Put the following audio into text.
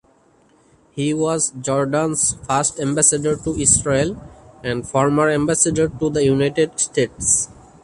He was Jordan's first ambassador to Israel and former ambassador to the United States.